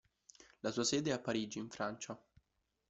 La sua sede è a Parigi, in Francia.